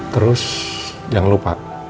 terus jangan lupa